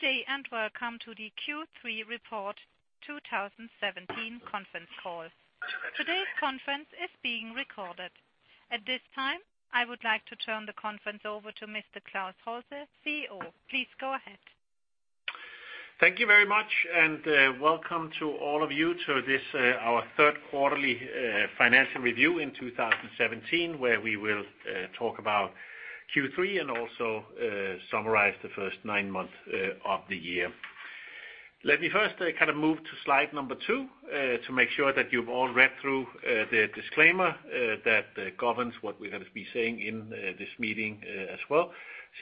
Good day, welcome to the Q3 Report 2017 conference call. Today's conference is being recorded. At this time, I would like to turn the conference over to Mr. Klaus Holse, CEO. Please go ahead. Thank you very much, welcome to all of you to this, our third quarterly financial review in 2017, where we will talk about Q3 and also summarize the first nine months of the year. Let me first move to slide number two to make sure that you've all read through the disclaimer that governs what we're going to be saying in this meeting as well.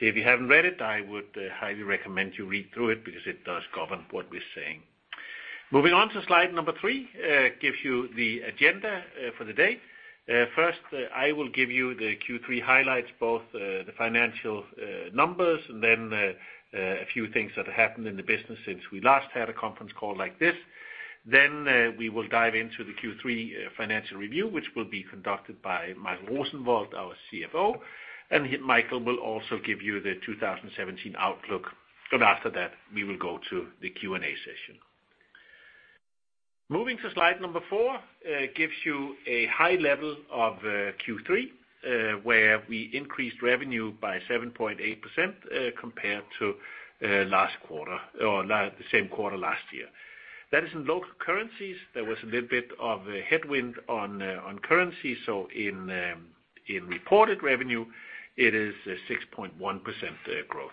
If you haven't read it, I would highly recommend you read through it because it does govern what we're saying. Moving on to slide number three, gives you the agenda for the day. First, I will give you the Q3 highlights, both the financial numbers and then a few things that have happened in the business since we last had a conference call like this. We will dive into the Q3 financial review, which will be conducted by Michael Rosenvold, our CFO, Michael will also give you the 2017 outlook. After that, we will go to the Q&A session. Moving to slide number four, gives you a high level of Q3, where we increased revenue by 7.8% compared to the same quarter last year. That is in local currencies. There was a little bit of a headwind on currency. In reported revenue, it is 6.1% growth.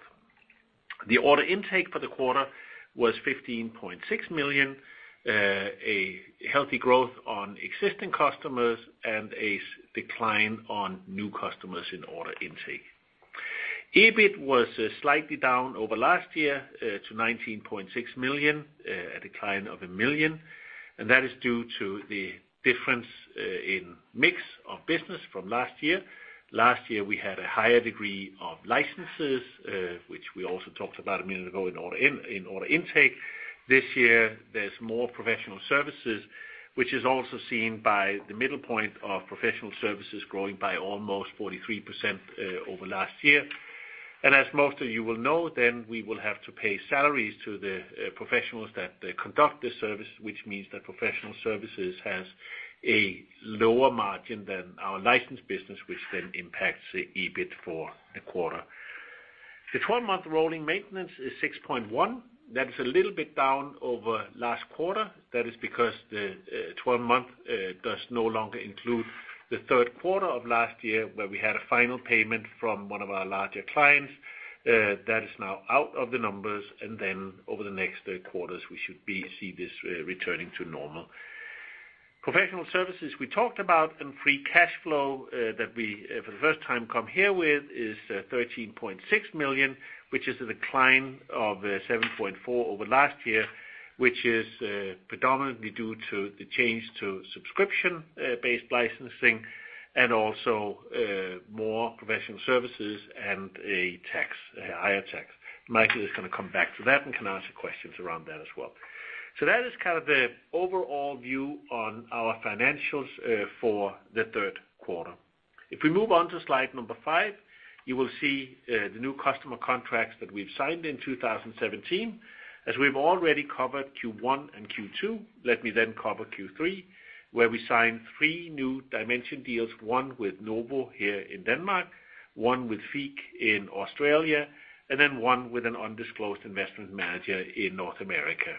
The order intake for the quarter was 15.6 million, a healthy growth on existing customers and a decline on new customers in order intake. EBIT was slightly down over last year to 19.6 million, a decline of 1 million, that is due to the difference in mix of business from last year. Last year, we had a higher degree of licenses, which we also talked about a minute ago in order intake. This year, there's more professional services, which is also seen by the middle point of professional services growing by almost 43% over last year. As most of you will know, we will have to pay salaries to the professionals that conduct the service, which means that professional services has a lower margin than our license business, which impacts the EBIT for a quarter. The 12-month rolling maintenance is 6.1%. That is a little bit down over last quarter. That is because the 12-month does no longer include the third quarter of last year where we had a final payment from one of our larger clients. That is now out of the numbers, over the next quarters, we should see this returning to normal. Professional services we talked about, free cash flow that we for the first time come here with is 13.6 million, which is a decline of 7.4% over last year, which is predominantly due to the change to subscription-based licensing and also more professional services and a higher tax. Michael is going to come back to that and can answer questions around that as well. That is the overall view on our financials for the third quarter. If we move on to slide number five, you will see the new customer contracts that we've signed in 2017. As we've already covered Q1 and Q2, let me then cover Q3, where we signed three new Dimension deals, one with Novo here in Denmark, one with FIIG in Australia, and then one with an undisclosed investment manager in North America.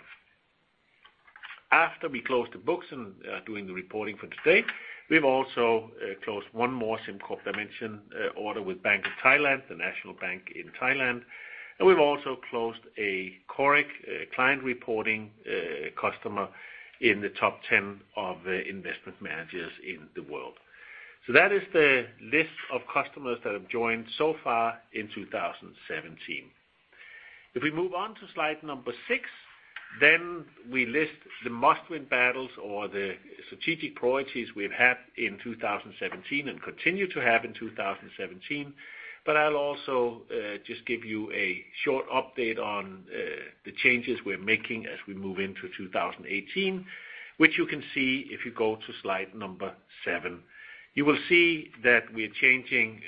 After we closed the books and doing the reporting for today, we've also closed one more SimCorp Dimension order with Bank of Thailand, the National Bank in Thailand, and we've also closed a Coric client reporting customer in the top 10 of investment managers in the world. That is the list of customers that have joined so far in 2017. If we move on to slide number six, we list the must-win battles or the strategic priorities we've had in 2017 and continue to have in 2017. I'll also just give you a short update on the changes we're making as we move into 2018, which you can see if you go to slide number seven. You will see that we're changing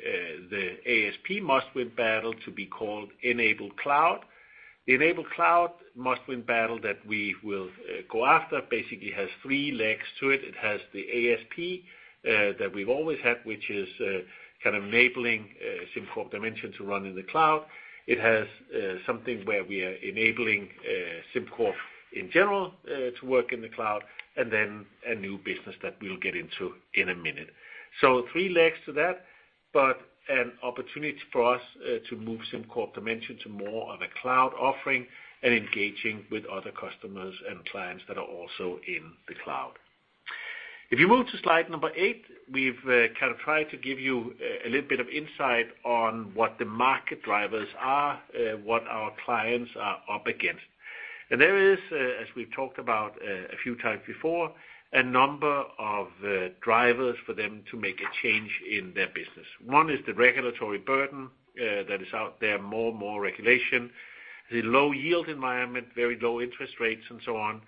the ASP must-win battle to be called Enable Cloud. The Enable Cloud must-win battle that we will go after basically has three legs to it. It has the ASP that we've always had, which is kind of enabling SimCorp Dimension to run in the cloud. It has something where we are enabling SimCorp in general to work in the cloud, and then a new business that we'll get into in a minute. Three legs to that, but an opportunity for us to move SimCorp Dimension to more of a cloud offering and engaging with other customers and clients that are also in the cloud. If you move to slide number eight, we've tried to give you a little bit of insight on what the market drivers are, what our clients are up against. There is, as we've talked about a few times before, a number of drivers for them to make a change in their business. One is the regulatory burden that is out there, more and more regulation. The low yield environment, very low interest rates and so on.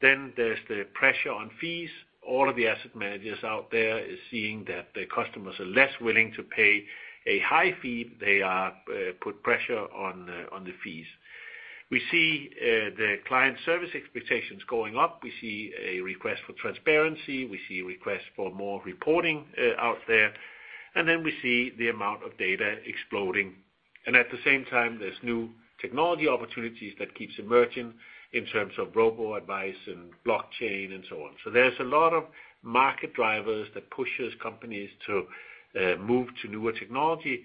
There's the pressure on fees. All of the asset managers out there are seeing that their customers are less willing to pay a high fee. They put pressure on the fees. We see the client service expectations going up. We see a request for transparency. We see requests for more reporting out there. We see the amount of data exploding. At the same time, there's new technology opportunities that keeps emerging in terms of robo-advice and blockchain and so on. There's a lot of market drivers that pushes companies to move to newer technology.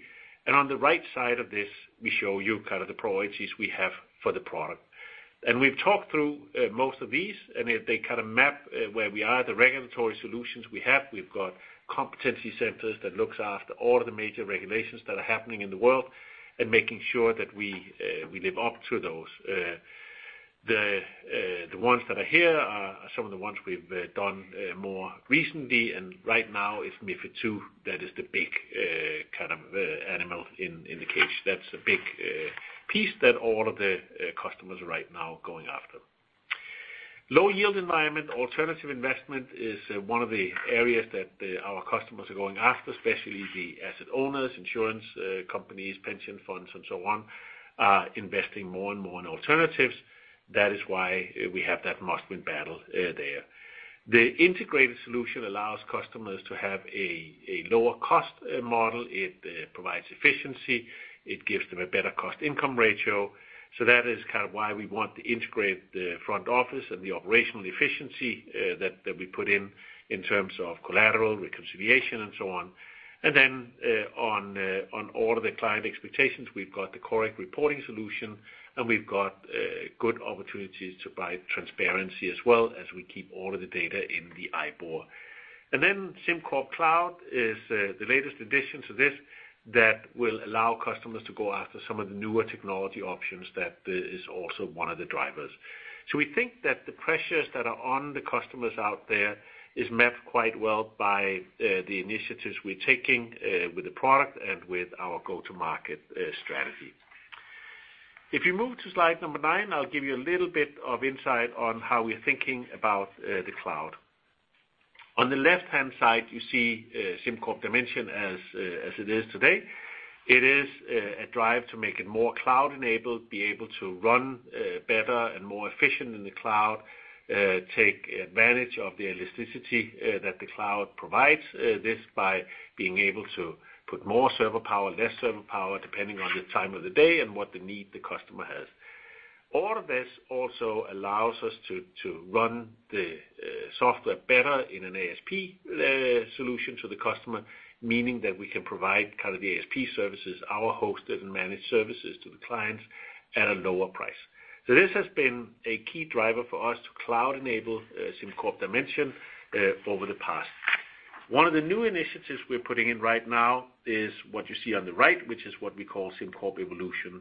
On the right side of this, we show you the priorities we have for the product. We've talked through most of these, and they map where we are, the regulatory solutions we have. We've got competency centers that look after all the major regulations that are happening in the world and making sure that we live up to those. The ones that are here are some of the ones we've done more recently, and right now it's MiFID II that is the big animal in the cage. That's a big piece that all of the customers right now are going after. Low yield environment alternative investment is one of the areas that our customers are going after, especially the asset owners, insurance companies, pension funds, and so on, are investing more and more in alternatives. That is why we have that must-win battle there. The integrated solution allows customers to have a lower cost model. It provides efficiency. It gives them a better cost-income ratio. That is why we want to integrate the front office and the operational efficiency that we put in terms of collateral, reconciliation, and so on. On all of the client expectations, we've got the correct reporting solution and we've got good opportunities to provide transparency as well as we keep all of the data in the IBOR. SimCorp Cloud is the latest addition to this that will allow customers to go after some of the newer technology options that is also one of the drivers. We think that the pressures that are on the customers out there is mapped quite well by the initiatives we're taking with the product and with our go-to-market strategy. If you move to slide number nine, I'll give you a little bit of insight on how we're thinking about the cloud. On the left-hand side, you see SimCorp Dimension as it is today. It is a drive to make it more cloud-enabled, be able to run better and more efficient in the cloud, take advantage of the elasticity that the cloud provides. This by being able to put more server power, less server power, depending on the time of the day and what the need the customer has. All of this also allows us to run the software better in an ASP solution to the customer, meaning that we can provide the ASP services, our hosted and managed services to the clients at a lower price. This has been a key driver for us to cloud-enable SimCorp Dimension over the past. One of the new initiatives we're putting in right now is what you see on the right, which is what we call SimCorp Evolution.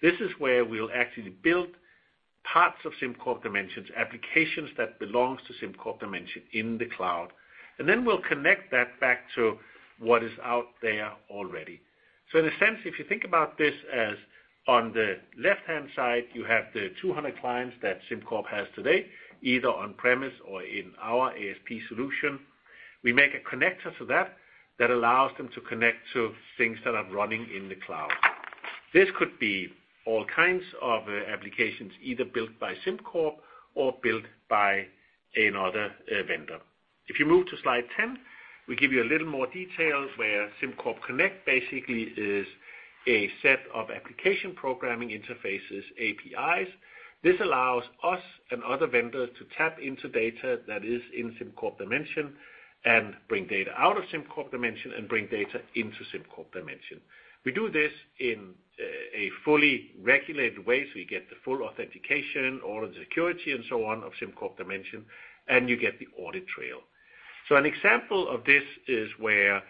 This is where we'll actually build parts of SimCorp Dimension's applications that belongs to SimCorp Dimension in the cloud. We'll connect that back to what is out there already. In a sense, if you think about this as on the left-hand side, you have the 200 clients that SimCorp has today, either on-premise or in our ASP solution. We make a connector to that allows them to connect to things that are running in the cloud. This could be all kinds of applications, either built by SimCorp or built by another vendor. If you move to slide 10, we give you a little more detail where SimCorp Connect basically is a set of application programming interfaces, APIs. This allows us and other vendors to tap into data that is in SimCorp Dimension and bring data out of SimCorp Dimension and bring data into SimCorp Dimension. We do this in a fully regulated way, we get the full authentication, all of the security and so on of SimCorp Dimension, and you get the audit trail. An example of this is where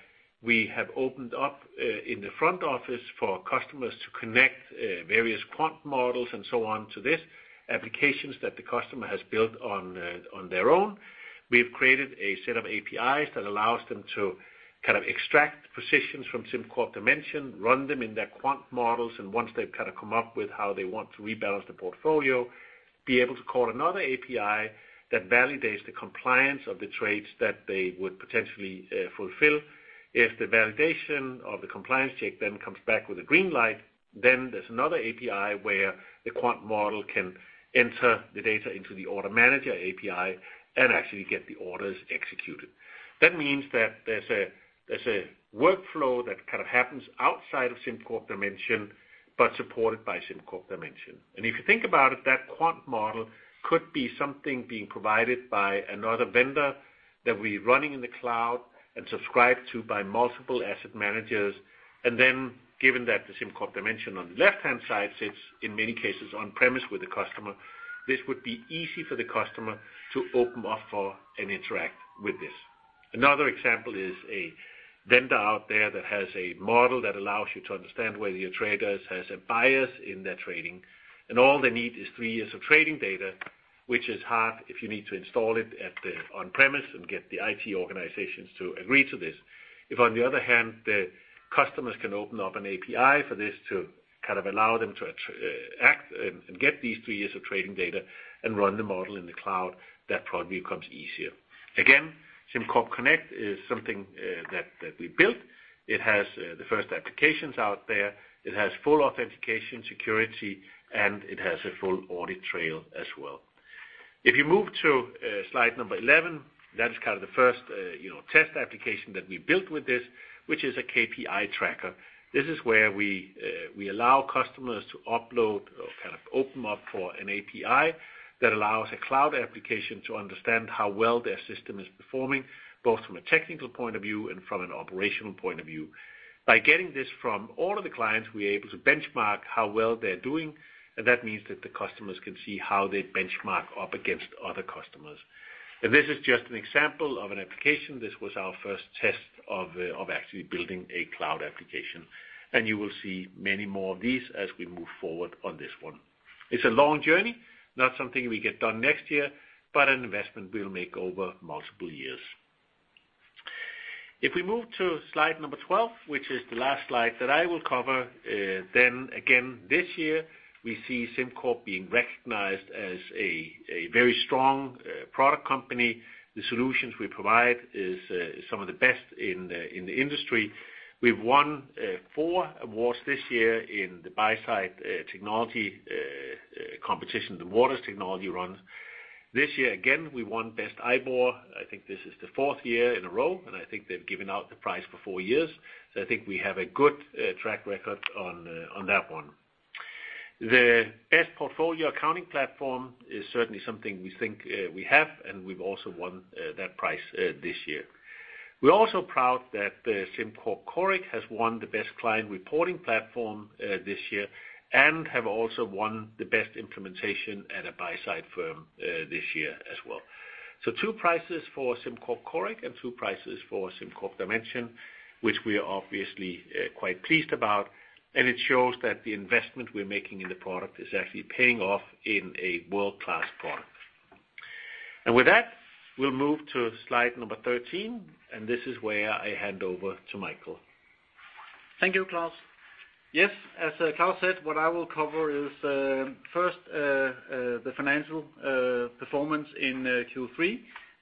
we have opened up in the front office for customers to connect various quant models and so on to this, applications that the customer has built on their own. We've created a set of APIs that allows them to extract positions from SimCorp Dimension, run them in their quant models, and once they've come up with how they want to rebalance the portfolio, be able to call another API that validates the compliance of the trades that they would potentially fulfill. If the validation of the compliance check then comes back with a green light, there's another API where the quant model can enter the data into the order manager API and actually get the orders executed. That means that there's a workflow that happens outside of SimCorp Dimension, but supported by SimCorp Dimension. If you think about it, that quant model could be something being provided by another vendor that we're running in the cloud and subscribed to by multiple asset managers. Given that the SimCorp Dimension on the left-hand side sits, in many cases, on-premise with the customer, this would be easy for the customer to open up for and interact with this. Another example is a vendor out there that has a model that allows you to understand whether your traders has a bias in their trading, and all they need is three years of trading data. Which is hard if you need to install it on-premise and get the IT organizations to agree to this. If, on the other hand, the customers can open up an API for this to allow them to act and get these three years of trading data and run the model in the cloud, that probably becomes easier. Again, SimCorp Connect is something that we built. It has the first applications out there. It has full authentication security, and it has a full audit trail as well. If you move to slide number 11, that is the first test application that we built with this, which is a KPI tracker. This is where we allow customers to upload or open up for an API that allows a cloud application to understand how well their system is performing, both from a technical point of view and from an operational point of view. By getting this from all of the clients, we are able to benchmark how well they're doing, and that means that the customers can see how they benchmark up against other customers. This is just an example of an application. This was our first test of actually building a cloud application, and you will see many more of these as we move forward on this one. It's a long journey, not something we get done next year, but an investment we'll make over multiple years. If we move to slide 12, which is the last slide that I will cover, again, this year, we see SimCorp being recognized as a very strong product company. The solutions we provide is some of the best in the industry. We've won four awards this year in the Buy-Side Technology competition that WatersTechnology runs. This year, again, we won Best IBOR. I think this is the fourth year in a row, and I think they've given out the prize for four years. I think we have a good track record on that one. The Best Portfolio Accounting Platform is certainly something we think we have, and we've also won that prize this year. We're also proud that SimCorp Coric has won the Best Client Reporting Platform this year and have also won the Best Implementation at a Buy-Side Firm this year as well. Two prizes for SimCorp Coric and two prizes for SimCorp Dimension, which we are obviously quite pleased about. It shows that the investment we're making in the product is actually paying off in a world-class product. With that, we'll move to slide 13, this is where I hand over to Michael. Thank you, Klaus. Yes, as Klaus said, what I will cover is first the financial performance in Q3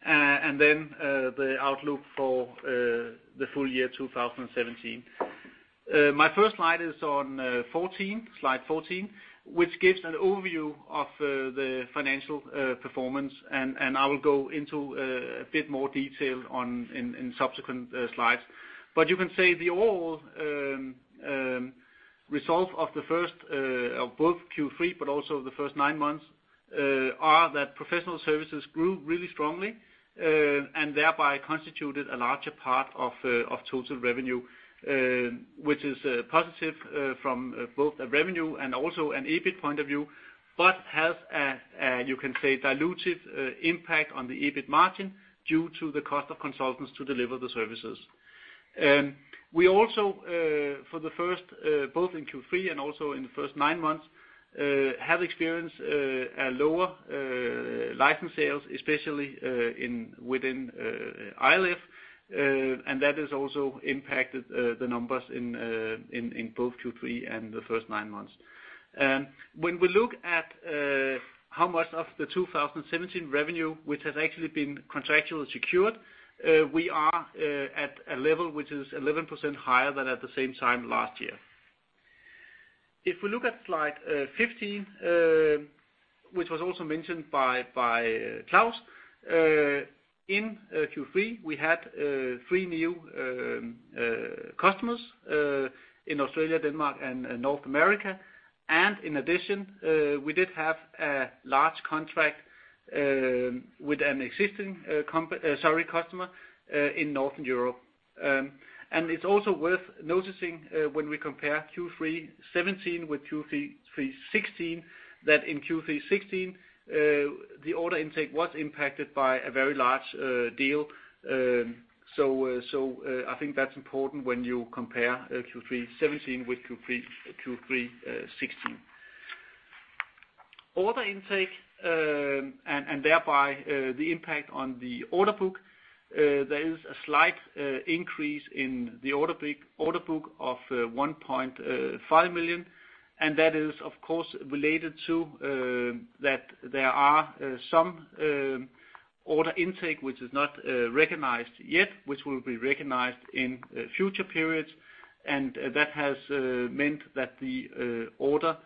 and then the outlook for the full year 2017. My first slide is on slide 14, which gives an overview of the financial performance, I will go into a bit more detail in subsequent slides. You can say the overall result of both Q3 but also the first nine months are that professional services grew really strongly and thereby constituted a larger part of total revenue, which is positive from both a revenue and also an EBIT point of view, but has a, you can say, dilutive impact on the EBIT margin due to the cost of consultants to deliver the services. We also, both in Q3 and also in the first nine months, have experienced a lower license sales, especially within ILIF, that has also impacted the numbers in both Q3 and the first nine months. When we look at how much of the 2017 revenue which has actually been contractually secured, we are at a level which is 11% higher than at the same time last year. If we look at slide 15, which was also mentioned by Klaus, in Q3, we had three new customers in Australia, Denmark, and North America. In addition, we did have a large contract with an existing customer in Northern Europe. It's also worth noticing when we compare Q3 2017 with Q3 2016, that in Q3 2016, the order intake was impacted by a very large deal. I think that's important when you compare Q3 2017 with Q3 2016. Order intake, thereby the impact on the order book. There is a slight increase in the order book of 1.5 million. That is, of course, related to that there are some order intake which is not recognized yet, which will be recognized in future periods, and that has meant that the order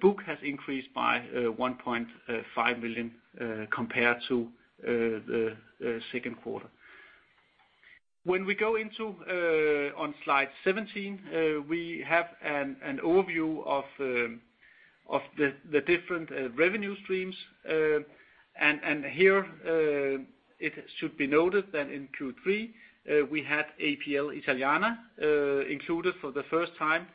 book has increased by 1.5 million compared to the second quarter. When we go into slide 17, we have an overview of the different revenue streams. Here it should be noted that in Q3, we had APL Italiana included for the first time,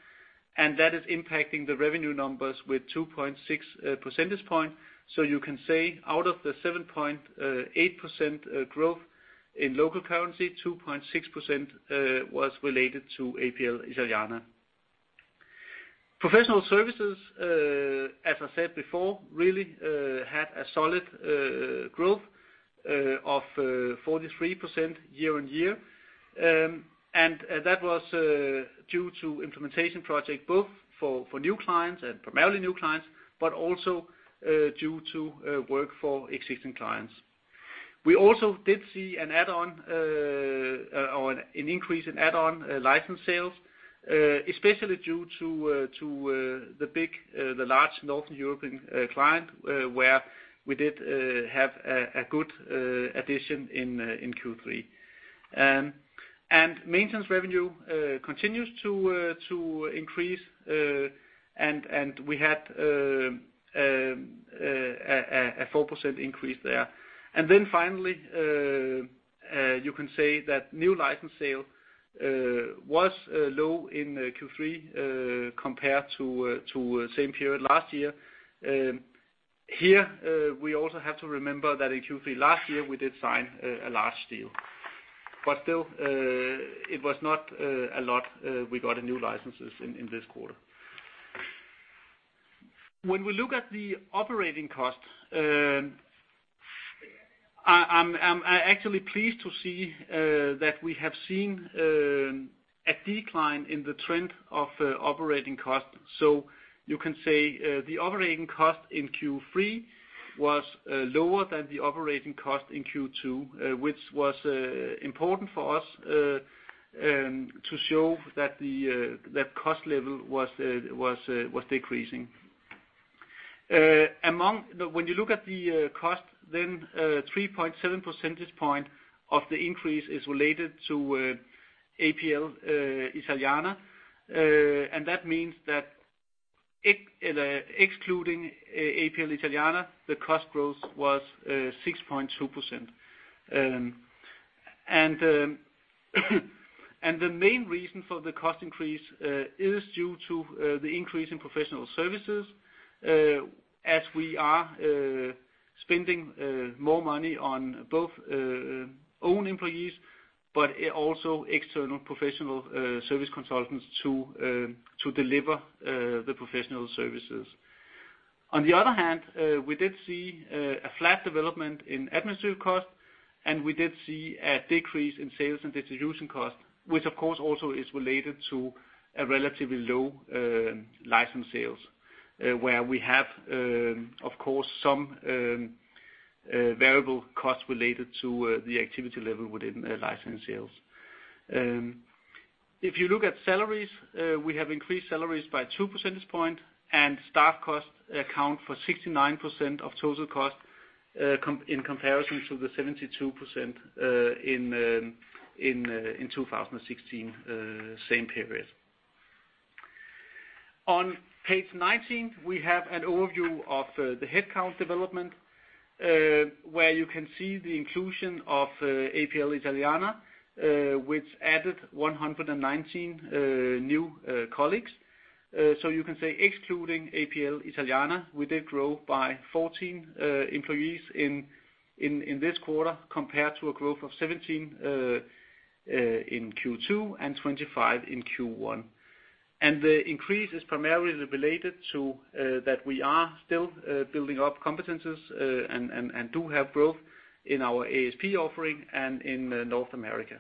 and that is impacting the revenue numbers with 2.6 percentage point. You can say out of the 7.8% growth in local currency, 2.6% was related to APL Italiana. Professional services, as I said before, really had a solid growth of 43% year-on-year. That was due to implementation project, both for new clients and primarily new clients, but also due to work for existing clients. We also did see an increase in add-on license sales, especially due to the large northern European client, where we did have a good addition in Q3. Maintenance revenue continues to increase, and we had a 4% increase there. Finally, you can say that new license sale was low in Q3 compared to same period last year. Here, we also have to remember that in Q3 last year, we did sign a large deal. Still, it was not a lot we got in new licenses in this quarter. When we look at the operating cost, I'm actually pleased to see that we have seen a decline in the trend of operating cost. You can say the operating cost in Q3 was lower than the operating cost in Q2, which was important for us to show that cost level was decreasing. When you look at the cost, then 3.7 percentage point of the increase is related to APL Italiana. That means that excluding APL Italiana, the cost growth was 6.2%. The main reason for the cost increase is due to the increase in professional services, as we are spending more money on both own employees, but also external professional service consultants to deliver the professional services. On the other hand, we did see a flat development in administrative cost, and we did see a decrease in sales and distribution cost, which of course also is related to a relatively low license sales, where we have, of course, some variable costs related to the activity level within license sales. If you look at salaries, we have increased salaries by 2 percentage point and staff costs account for 69% of total cost, in comparison to the 72% in 2016, same period. On page 19, we have an overview of the headcount development, where you can see the inclusion of APL Italiana, which added 119 new colleagues. You can say excluding APL Italiana, we did grow by 14 employees in this quarter, compared to a growth of 17 in Q2 and 25 in Q1. The increase is primarily related to that we are still building up competencies and do have growth in our ASP offering and in North America.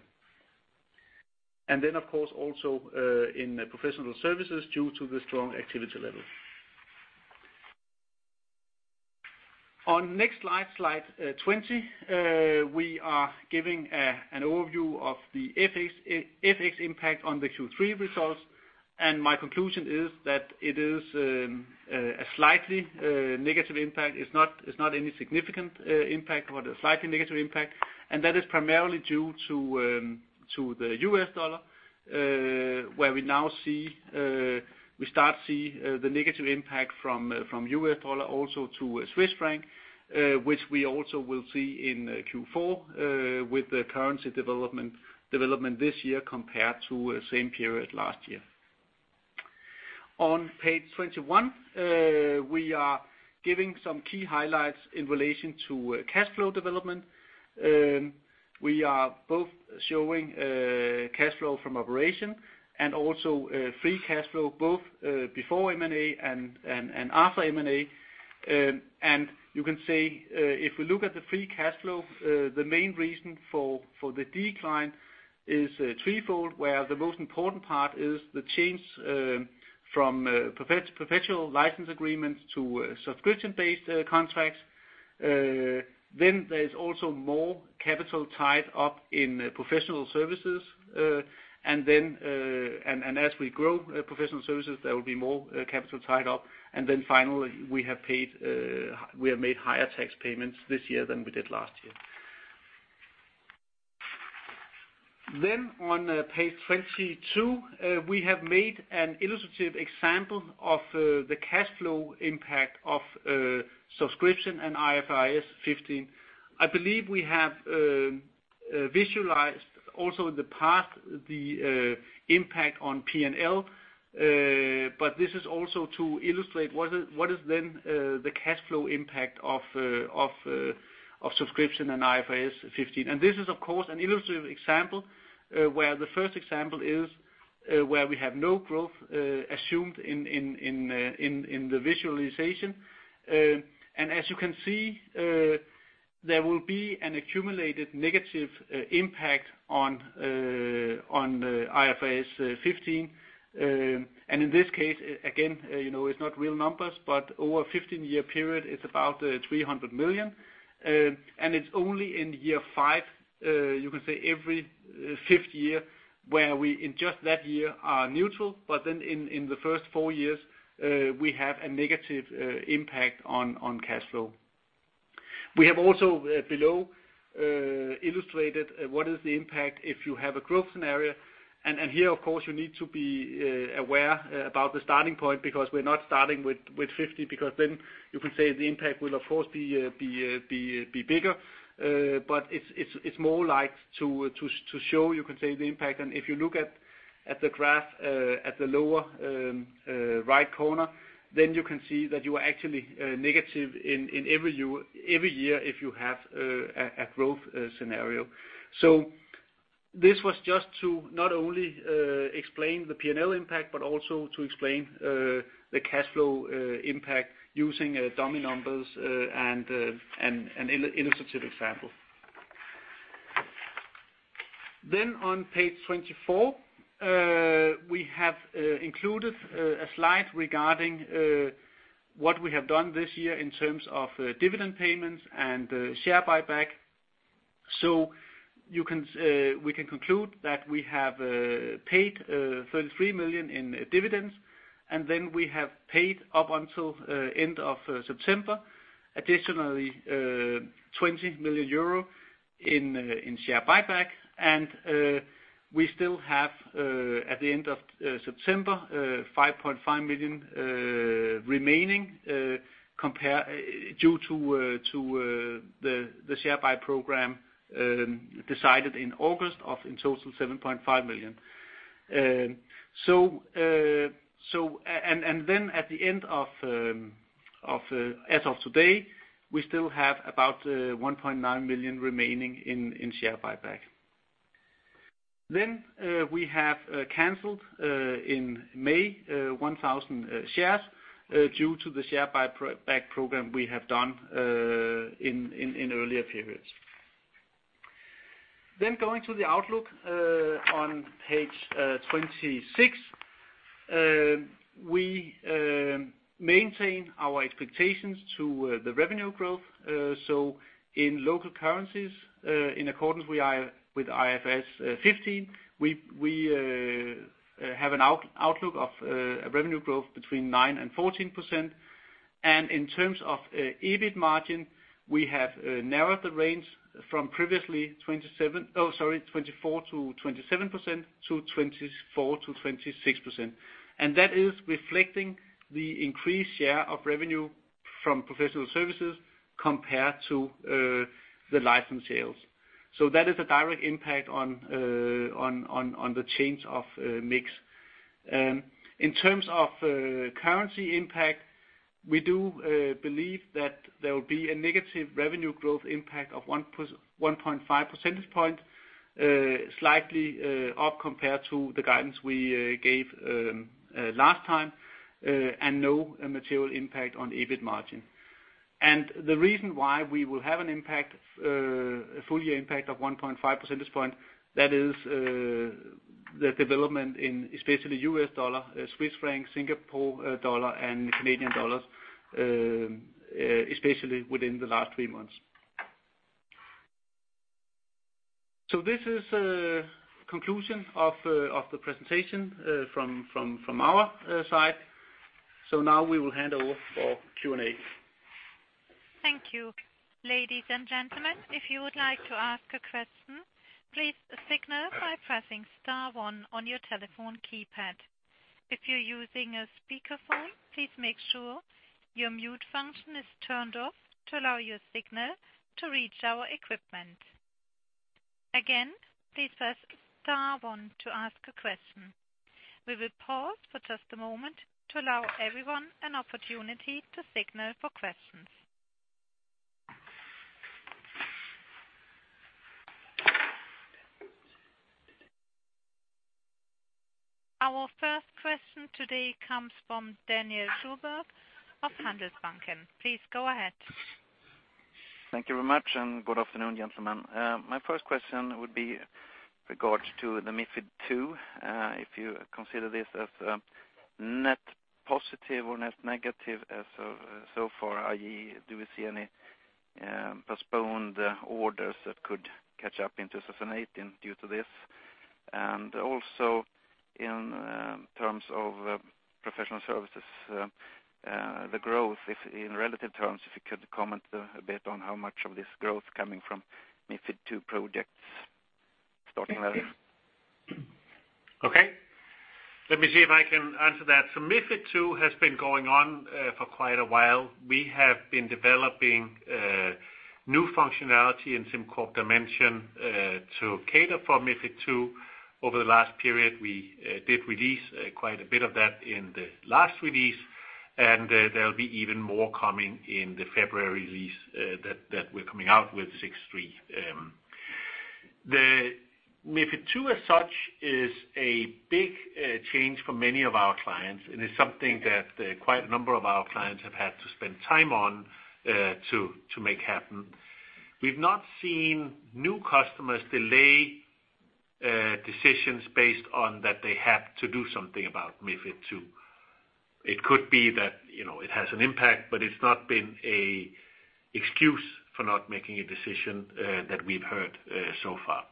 Of course, also in professional services due to the strong activity level. On next slide 20. We are giving an overview of the FX impact on the Q3 results, and my conclusion is that it is a slightly negative impact. It's not any significant impact, but a slightly negative impact. That is primarily due to the US dollar, where we start to see the negative impact from US dollar also to Swiss franc, which we also will see in Q4, with the currency development this year compared to same period last year. On page 21, we are giving some key highlights in relation to cash flow development. We are both showing cash flow from operation and also free cash flow, both before M&A and after M&A. You can say, if we look at the free cash flow, the main reason for the decline is threefold, where the most important part is the change from perpetual license agreements to subscription-based contracts. There's also more capital tied up in professional services. As we grow professional services, there will be more capital tied up. Finally, we have made higher tax payments this year than we did last year. On page 22, we have made an illustrative example of the cash flow impact of subscription and IFRS 15. I believe we have visualized also in the past the impact on P&L, but this is also to illustrate what is the cash flow impact of subscription and IFRS 15. This is, of course, an illustrative example, where the first example is where we have no growth assumed in the visualization. As you can see, there will be an accumulated negative impact on the IFRS 15. In this case, again, it's not real numbers, but over a 15-year period, it's about 300 million. It's only in every fifth year, you can say, where we in just that year are neutral, but in the first four years, we have a negative impact on cash flow. We have also below illustrated what is the impact if you have a growth scenario. Here, of course, you need to be aware about the starting point, because we're not starting with 50, because then you can say the impact will, of course, be bigger. But it's more like to show, you can say the impact. If you look at the graph at the lower right corner, then you can see that you are actually negative in every year if you have a growth scenario. So this was just to not only explain the P&L impact, but also to explain the cash flow impact using dummy numbers and an illustrative example. On page 24, we have included a slide regarding what we have done this year in terms of dividend payments and share buyback. So we can conclude that we have paid 33 million in dividends, and we have paid up until end of September, additionally, 20 million euro in share buyback. We still have, at the end of September, 5.5 million remaining due to the share buy program decided in August of, in total, 7.5 million. As of today, we still have about 1.9 million remaining in share buyback. We have canceled, in May, 1,000 shares due to the share buyback program we have done in earlier periods. Going to the outlook on page 26. We maintain our expectations to the revenue growth. In local currencies, in accordance with IFRS 15, we have an outlook of a revenue growth between 9% and 14%. In terms of EBIT margin, we have narrowed the range from previously 24%-27%, to 24%-26%. That is reflecting the increased share of revenue from professional services compared to the license sales. That is a direct impact on the change of mix. In terms of currency impact, we do believe that there will be a negative revenue growth impact of 1.5 percentage point, slightly up compared to the guidance we gave last time, and no material impact on EBIT margin. The reason why we will have a full-year impact of 1.5 percentage point, that is the development in especially US dollar, Swiss franc, Singapore dollar, and Canadian dollars, especially within the last three months. This is a conclusion of the presentation from our side. Now we will hand over for Q&A. Thank you. Ladies and gentlemen, if you would like to ask a question, please signal by pressing star one on your telephone keypad. If you're using a speakerphone, please make sure your mute function is turned off to allow your signal to reach our equipment. Again, please press star one to ask a question. We will pause for just a moment to allow everyone an opportunity to signal for questions. Our first question today comes from Daniel Sundberg of Handelsbanken. Please go ahead. Thank you very much, and good afternoon, gentlemen. My first question would be regards to the MiFID II, if you consider this as net positive or net negative so far, i.e., do we see any postponed orders that could catch up in 2018 due to this? Also in terms of professional services, the growth in relative terms, if you could comment a bit on how much of this growth coming from MiFID II projects starting early. Okay. Let me see if I can answer that. MiFID II has been going on for quite a while. We have been developing new functionality in SimCorp Dimension to cater for MiFID II. Over the last period, we did release quite a bit of that in the last release. There'll be even more coming in the February release that we're coming out with 6.3. The MiFID II as such is a big change for many of our clients, and it's something that quite a number of our clients have had to spend time on to make happen. We've not seen new customers delay decisions based on that they have to do something about MiFID II. It could be that it has an impact, but it's not been an excuse for not making a decision that we've heard so far.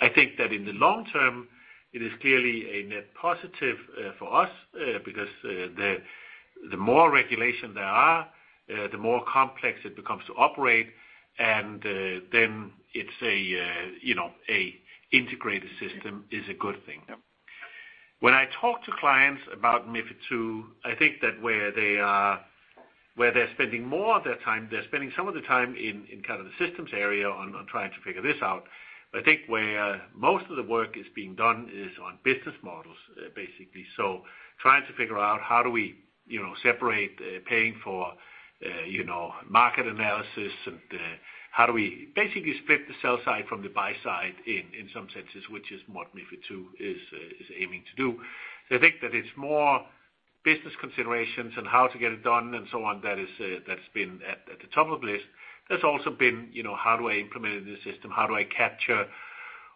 I think that in the long term, it is clearly a net positive for us because the more regulation there are, the more complex it becomes to operate, and then an integrated system is a good thing. Yep. When I talk to clients about MiFID II, I think that where they're spending more of their time, they're spending some of the time in the systems area on trying to figure this out. I think where most of the work is being done is on business models, basically. Trying to figure out how do we separate paying for market analysis, and how do we basically split the sell side from the buy side in some senses, which is what MiFID II is aiming to do. I think that it's more business considerations and how to get it done and so on that's been at the top of list. There's also been, how do I implement it in the system? How do I capture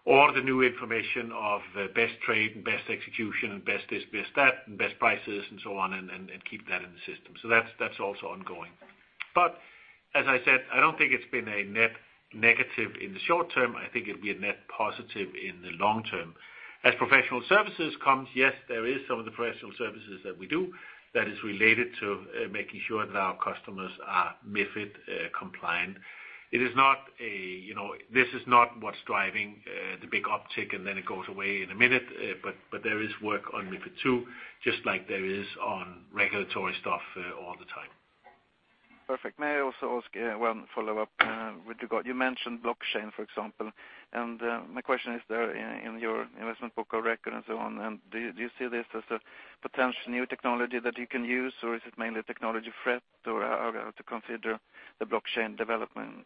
all the new information of best trade and best execution, and best this, best that, and best prices and so on, and keep that in the system. That's also ongoing. As I said, I don't think it's been a net negative in the short term. I think it'll be a net positive in the long term. As professional services comes, yes, there is some of the professional services that we do that is related to making sure that our customers are MiFID compliant. This is not what's driving the big uptick, and then it goes away in a minute. There is work on MiFID II, just like there is on regulatory stuff all the time. Perfect. May I also ask one follow-up with you, Klaus? You mentioned blockchain, for example. My question is there in your Investment Book of Record and so on, do you see this as a potential new technology that you can use or is it mainly technology threat or how to consider the blockchain development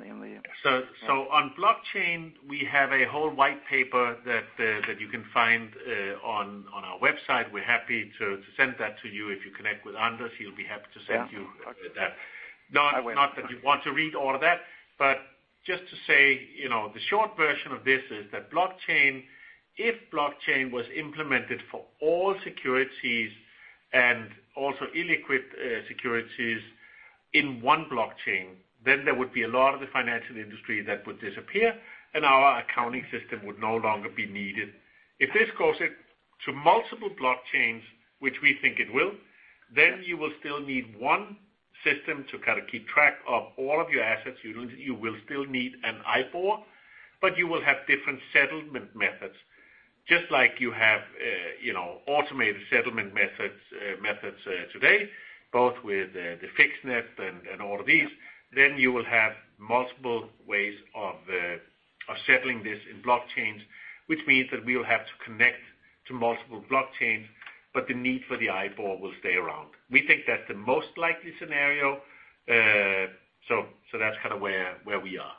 in the- On blockchain, we have a whole white paper that you can find on our website. We're happy to send that to you if you connect with Anders, he'll be happy to send you that. Yeah. Okay. I will. Not that you'd want to read all of that, but just to say, the short version of this is that if blockchain was implemented for all securities and also illiquid securities in one blockchain, then there would be a lot of the financial industry that would disappear, and our accounting system would no longer be needed. If this goes into multiple blockchains, which we think it will, you will still need one system to keep track of all of your assets. You will still need an IBOR, but you will have different settlement methods, just like you have automated settlement methods today, both with the FIX network and all of these. You will have multiple ways of settling this in blockchains, which means that we will have to connect to multiple blockchains, but the need for the IBOR will stay around. We think that's the most likely scenario. That's where we are.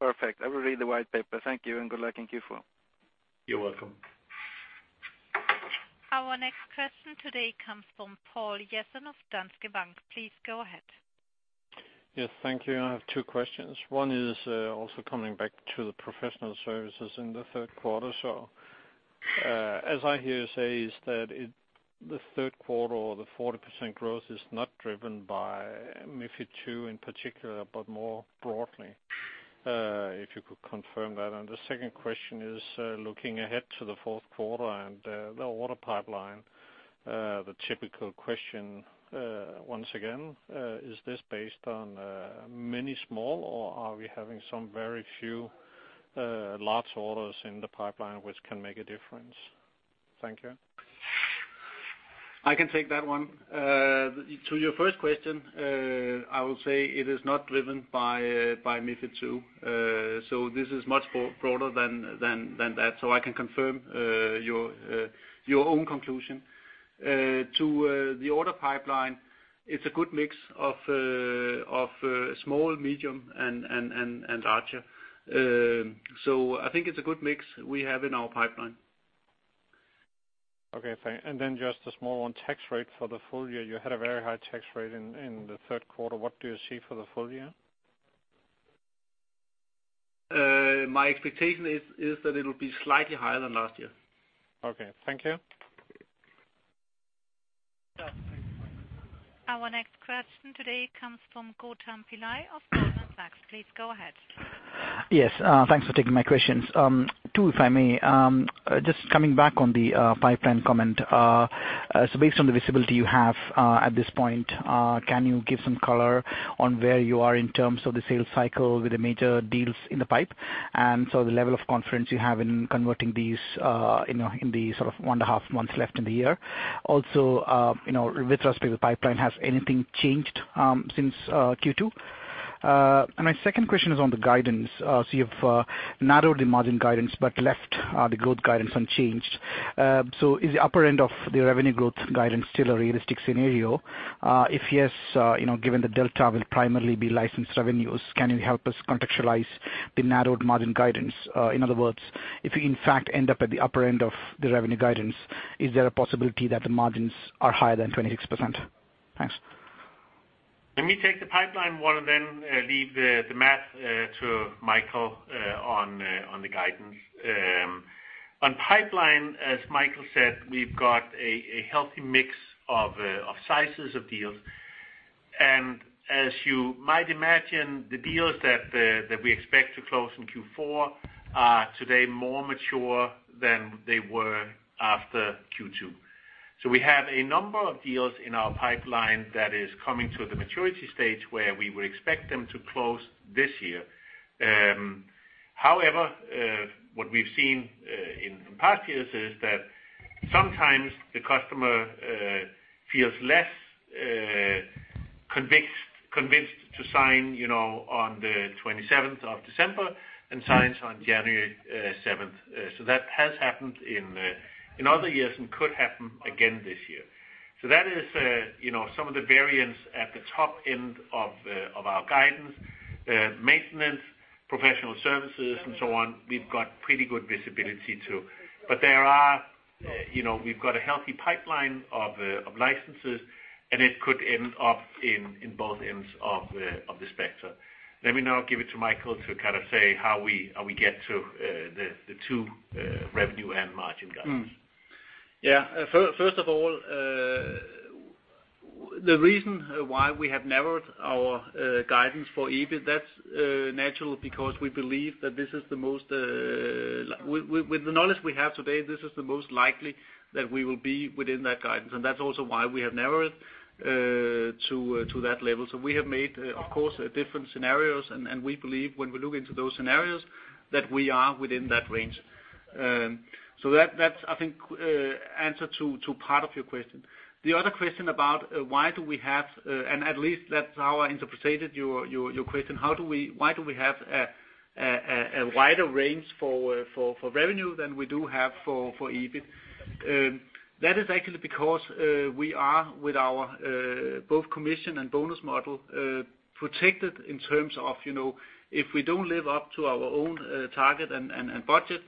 Perfect. I will read the white paper. Thank you and good luck in Q4. You're welcome. Our next question today comes from Poul Jessen of Danske Bank. Please go ahead. Yes, thank you. I have two questions. One is also coming back to the professional services in the third quarter. As I hear you say is that the third quarter or the 40% growth is not driven by MiFID II in particular, but more broadly. If you could confirm that. The second question is looking ahead to the fourth quarter and the order pipeline. The typical question once again, is this based on many small or are we having some very few large orders in the pipeline, which can make a difference? Thank you. I can take that one. To your first question, I will say it is not driven by MiFID II. This is much broader than that. I can confirm your own conclusion. To the order pipeline, it's a good mix of small, medium, and larger. I think it's a good mix we have in our pipeline. Okay, thanks. Just a small one, tax rate for the full year. You had a very high tax rate in the third quarter. What do you see for the full year? My expectation is that it'll be slightly higher than last year. Okay. Thank you. Our next question today comes from Gautam Pillai of Goldman Sachs. Please go ahead. Yes. Thanks for taking my questions. Two, if I may. Just coming back on the pipeline comment. Based on the visibility you have at this point, can you give some color on where you are in terms of the sales cycle with the major deals in the pipe? The level of confidence you have in converting these in the sort of one and a half months left in the year. Also, with respect to the pipeline, has anything changed since Q2? My second question is on the guidance. You've narrowed the margin guidance but left the growth guidance unchanged. Is the upper end of the revenue growth guidance still a realistic scenario? If yes, given the delta will primarily be licensed revenues, can you help us contextualize the narrowed margin guidance? In other words, if you in fact end up at the upper end of the revenue guidance, is there a possibility that the margins are higher than 26%? Thanks. Let me take the pipeline one and then leave the math to Michael on the guidance. On pipeline, as Michael said, we've got a healthy mix of sizes of deals. As you might imagine, the deals that we expect to close in Q4 are today more mature than they were after Q2. We have a number of deals in our pipeline that is coming to the maturity stage where we would expect them to close this year. However, what we've seen in past years is that sometimes the customer feels less convinced to sign on the 27th of December and signs on January 7th. That has happened in other years and could happen again this year. That is some of the variance at the top end of our guidance. Maintenance, professional services, and so on, we've got pretty good visibility, too. We've got a healthy pipeline of licenses, and it could end up in both ends of the spectrum. Let me now give it to Michael to kind of say how we get to the two revenue and margin guidance. First of all, the reason why we have narrowed our guidance for EBIT, that's natural because with the knowledge we have today, this is the most likely that we will be within that guidance. That's also why we have narrowed to that level. We have made, of course, different scenarios, and we believe when we look into those scenarios, that we are within that range. That's I think answer to part of your question. The other question about why do we have, and at least that's how I interpreted your question, why do we have a wider range for revenue than we do have for EBIT? That is actually because we are, with our both commission and bonus model, protected in terms of if we don't live up to our own target and budget,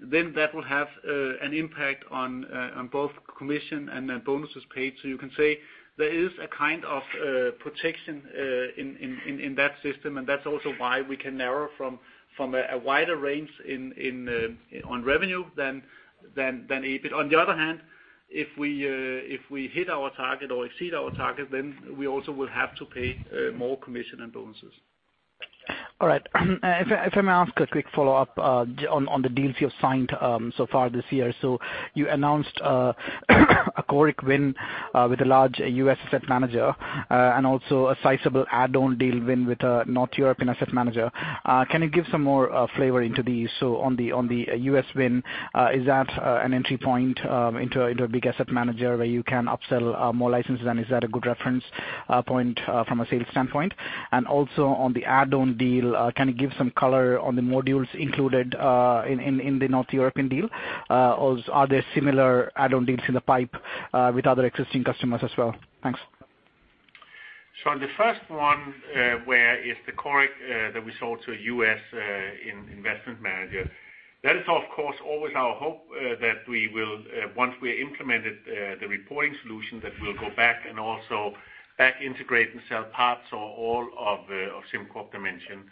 then that will have an impact on both commission and then bonuses paid. You can say there is a kind of protection in that system, and that's also why we can narrow from a wider range on revenue than EBIT. On the other hand, if we hit our target or exceed our target, then we also will have to pay more commission and bonuses. All right. If I may ask a quick follow-up on the deals you have signed so far this year. You announced a Coric win with a large U.S. asset manager and also a sizable add-on deal win with a North European asset manager. Can you give some more flavor into these? On the U.S. win, is that an entry point into a big asset manager where you can upsell more licenses, and is that a good reference point from a sales standpoint? On the add-on deal, can you give some color on the modules included in the North European deal? Are there similar add-on deals in the pipe with other existing customers as well? Thanks. On the first one, where is the Coric that we sold to a U.S. investment manager. That is, of course, always our hope that once we implemented the reporting solution, that we'll go back and also back integrate and sell parts or all of SimCorp Dimension.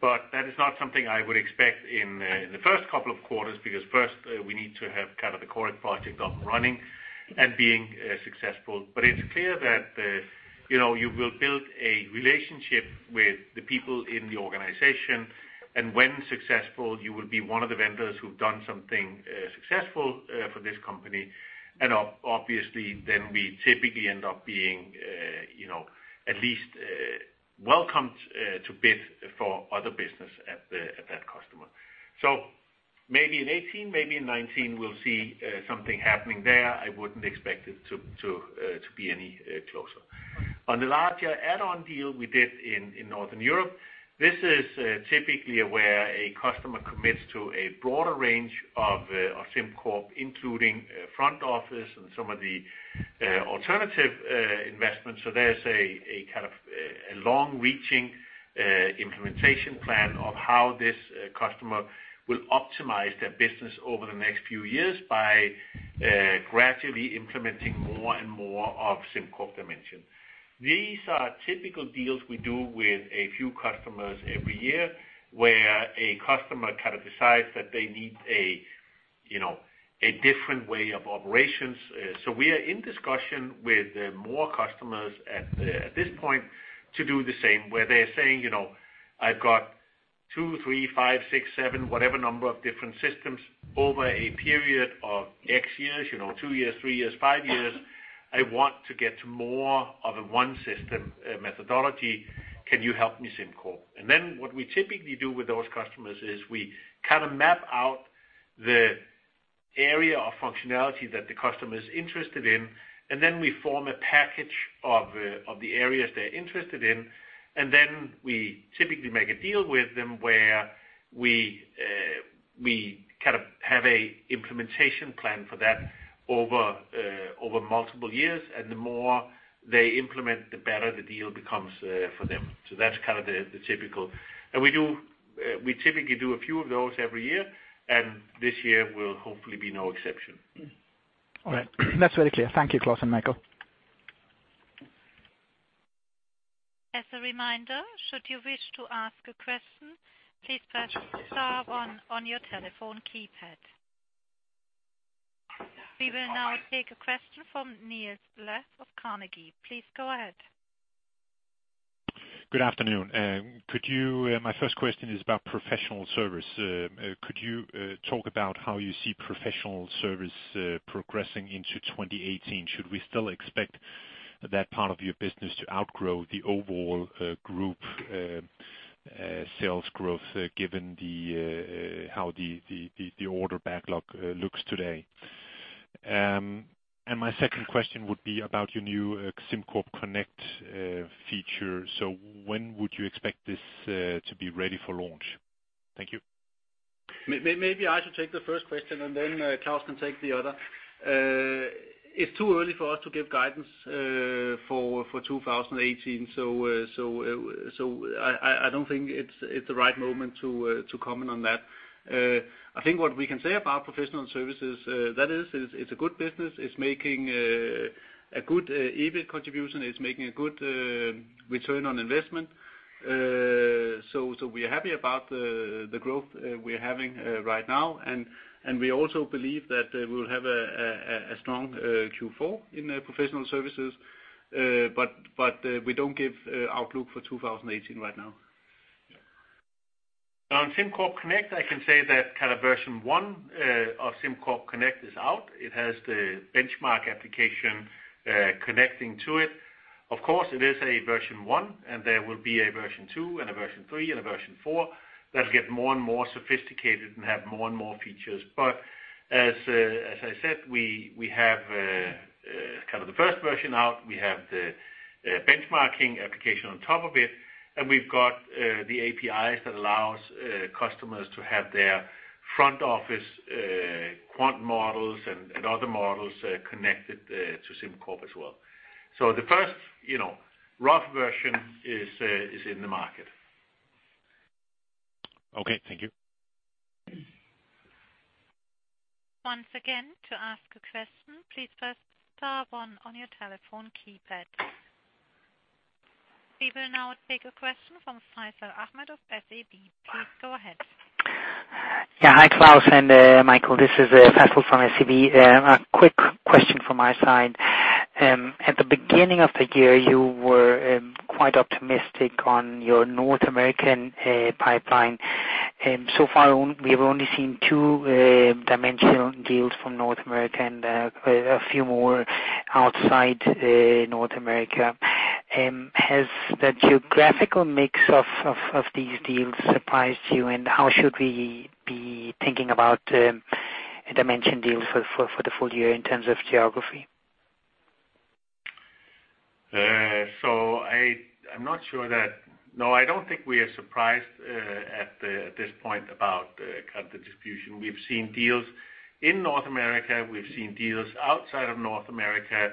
That is not something I would expect in the first couple of quarters, because first we need to have kind of the Coric project up and running and being successful. It's clear that you will build a relationship with the people in the organization, and when successful, you will be one of the vendors who've done something successful for this company. Obviously, then we typically end up being at least welcomed to bid for other business at that customer. Maybe in 2018, maybe in 2019, we'll see something happening there. I wouldn't expect it to be any closer. On the larger add-on deal we did in Northern Europe, this is typically where a customer commits to a broader range of SimCorp, including front office and some of the alternative investments. There's a kind of a long-reaching implementation plan of how this customer will optimize their business over the next few years by gradually implementing more and more of SimCorp Dimension. These are typical deals we do with a few customers every year, where a customer kind of decides that they need a different way of operations. We are in discussion with more customers at this point to do the same, where they're saying, "I've got two, three, five, six, seven," whatever number of different systems over a period of X years, two years, three years, five years. "I want to get to more of a one system methodology. Can you help me, SimCorp?" What we typically do with those customers is we kind of map out the Area of functionality that the customer is interested in, and then we form a package of the areas they're interested in. Then we typically make a deal with them where we have an implementation plan for that over multiple years. The more they implement, the better the deal becomes for them. That's the typical. We typically do a few of those every year, and this year will hopefully be no exception. All right. That's very clear. Thank you, Klaus and Michael Rosenvold. As a reminder, should you wish to ask a question, please press star one on your telephone keypad. We will now take a question from Niels Leth of Carnegie. Please go ahead. Good afternoon. My first question is about professional service. Could you talk about how you see professional service progressing into 2018? Should we still expect that part of your business to outgrow the overall group sales growth given how the order backlog looks today? My second question would be about your new SimCorp Connect feature. When would you expect this to be ready for launch? Thank you. Maybe I should take the first question, and then Klaus can take the other. It's too early for us to give guidance for 2018, so I don't think it's the right moment to comment on that. I think what we can say about professional services, that is, it's a good business. It's making a good EBIT contribution. It's making a good return on investment. We are happy about the growth we're having right now, and we also believe that we'll have a strong Q4 in professional services. We don't give outlook for 2018 right now. Yeah. On SimCorp Connect, I can say that version 1 of SimCorp Connect is out. It has the benchmark application connecting to it. Of course, it is a version 1, and there will be a version 2 and a version 3, and a version 4 that'll get more and more sophisticated and have more and more features. As I said, we have the first version out. We have the benchmarking application on top of it. We've got the APIs that allow customers to have their front office quant models and other models connected to SimCorp as well. The first rough version is in the market. Okay. Thank you. Once again, to ask a question, please press star one on your telephone keypad. We will now take a question from Faisal Ahmed of SEB. Please go ahead. Hi, Klaus and Michael, this is Faisal from SEB. A quick question from my side. At the beginning of the year, you were quite optimistic on your North American pipeline. So far, we've only seen two Dimension deals from North America and a few more outside North America. Has the geographical mix of these deals surprised you, and how should we be thinking about Dimension deals for the full year in terms of geography? No, I don't think we are surprised at this point about the distribution. We've seen deals in North America. We've seen deals outside of North America.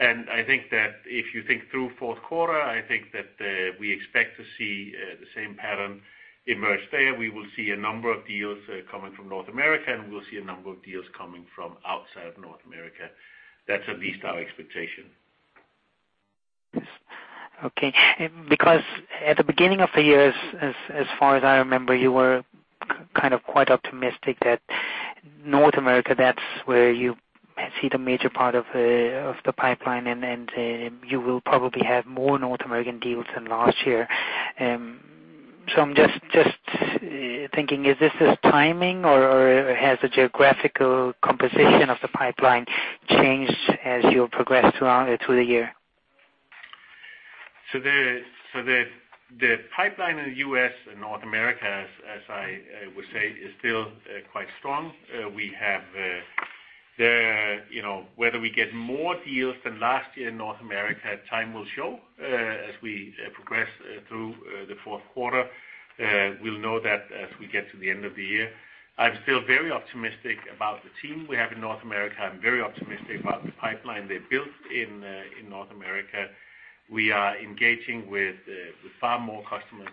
I think that if you think through fourth quarter, I think that we expect to see the same pattern emerge there. We will see a number of deals coming from North America, and we'll see a number of deals coming from outside of North America. That's at least our expectation. Okay. At the beginning of the year, as far as I remember, you were quite optimistic that North America, that's where you see the major part of the pipeline, and you will probably have more North American deals than last year. I'm just thinking, is this just timing, or has the geographical composition of the pipeline changed as you progressed throughout the year? The pipeline in the U.S. and North America, as I would say, is still quite strong. Whether we get more deals than last year in North America, time will show as we progress through the fourth quarter. We'll know that as we get to the end of the year. I'm still very optimistic about the team we have in North America. I'm very optimistic about the pipeline they built in North America. We are engaging with far more customers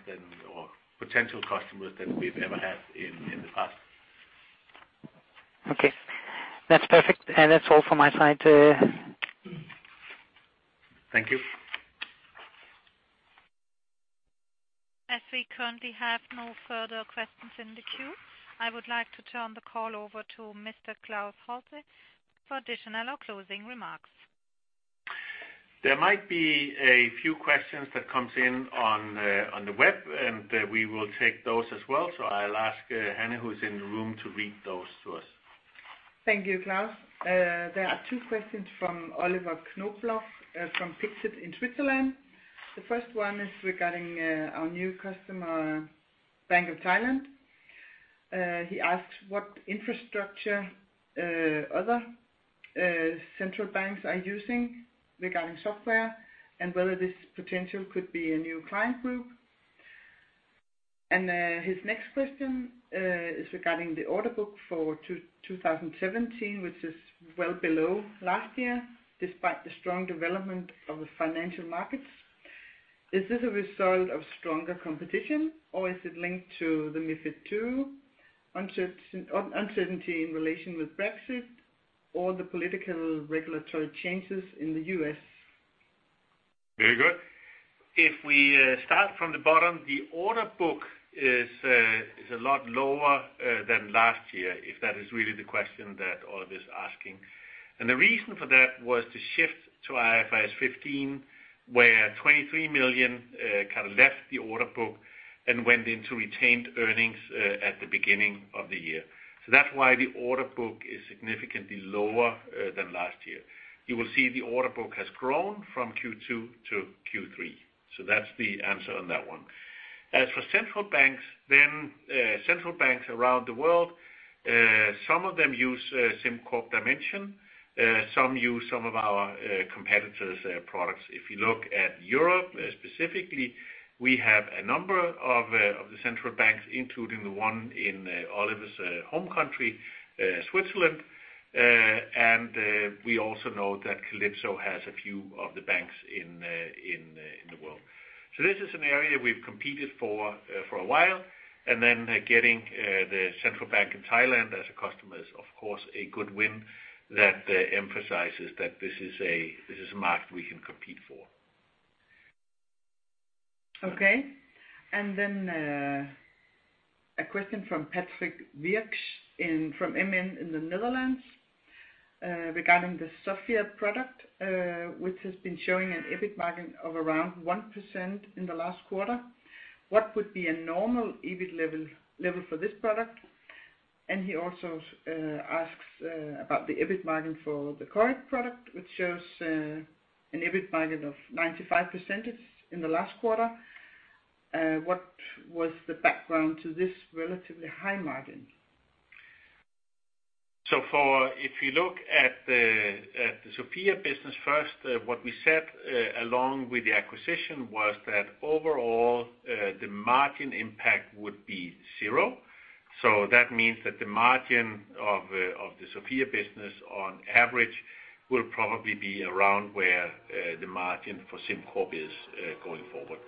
or potential customers than we've ever had in the past. Okay. That's perfect. That's all from my side. Thank you. As we currently have no further questions in the queue, I would like to turn the call over to Mr. Klaus Holse for additional or closing remarks. There might be a few questions that comes in on the web, we will take those as well. I'll ask Hanne, who's in the room, to read those to us. Thank you, Klaus. There are two questions from Oliver Knobel from Pictet in Switzerland. The first one is regarding our new customer Bank of Thailand. He asked what infrastructure other central banks are using regarding software, and whether this potential could be a new client group. His next question is regarding the order book for 2017, which is well below last year, despite the strong development of the financial markets. Is this a result of stronger competition, or is it linked to the MiFID II, uncertainty in relation with Brexit, or the political regulatory changes in the U.S.? Very good. If we start from the bottom, the order book is a lot lower than last year, if that is really the question that Oliver's asking. The reason for that was the shift to IFRS 15, where 23 million kind of left the order book and went into retained earnings at the beginning of the year. That's why the order book is significantly lower than last year. You will see the order book has grown from Q2 to Q3. That's the answer on that one. As for Central Banks, Central Banks around the world, some of them use SimCorp Dimension, some use some of our competitors' products. If you look at Europe specifically, we have a number of the Central Banks, including the one in Oliver's home country, Switzerland. We also know that Calypso has a few of the banks in the world. This is an area we've competed for a while. Getting the Central Bank in Thailand as a customer is, of course, a good win that emphasizes that this is a market we can compete for. Okay. A question from Patrick Wierckx from MN in the Netherlands regarding the Sofia product, which has been showing an EBIT margin of around 1% in the last quarter. What would be a normal EBIT level for this product? He also asks about the EBIT margin for the Coric product, which shows an EBIT margin of 95% in the last quarter. What was the background to this relatively high margin? If you look at the Sofia business first, what we said along with the acquisition was that overall the margin impact would be zero. That means that the margin of the Sofia business on average will probably be around where the margin for SimCorp is going forward.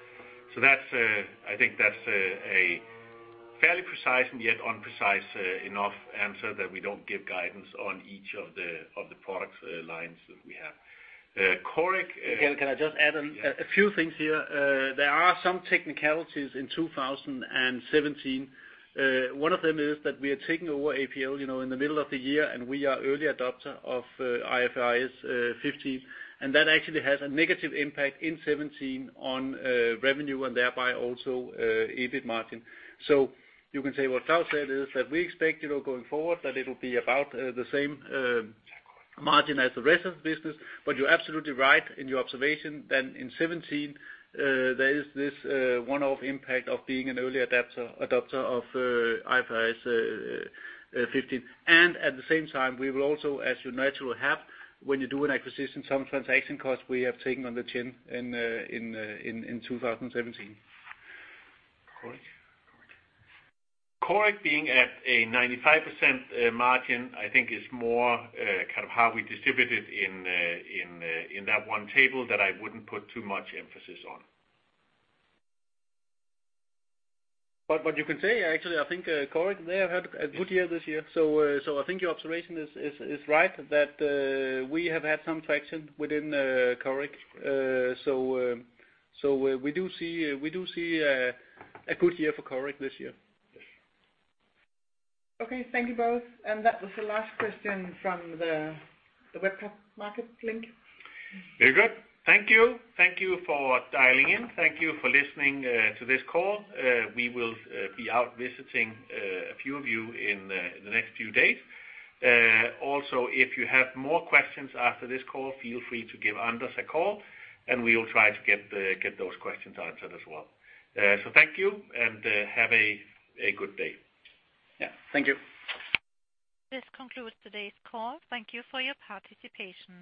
I think that's a fairly precise and yet unprecise enough answer that we don't give guidance on each of the product lines that we have. Coric. Can I just add a few things here? There are some technicalities in 2017. One of them is that we are taking over APL in the middle of the year, and we are early adopter of IFRS 15, and that actually has a negative impact in 2017 on revenue and thereby also EBIT margin. You can say what Klaus said, is that we expect going forward that it'll be about the same margin as the rest of the business. You're absolutely right in your observation that in 2017, there is this one-off impact of being an early adopter of IFRS 15. At the same time, we will also, as you naturally have when you do an acquisition, some transaction costs we have taken on the chin in 2017. SimCorp Coric? SimCorp Coric being at a 95% margin, I think is more kind of how we distribute it in that one table that I wouldn't put too much emphasis on. You can say, actually, I think SimCorp Coric there had a good year this year. I think your observation is right that we have had some traction within SimCorp Coric. We do see a good year for SimCorp Coric this year. Yes. Okay. Thank you both. That was the last question from the webcast market link. Very good. Thank you. Thank you for dialing in. Thank you for listening to this call. We will be out visiting a few of you in the next few days. Also, if you have more questions after this call, feel free to give Anders a call, and we will try to get those questions answered as well. Thank you, and have a good day. Yeah. Thank you. This concludes today's call. Thank you for your participation.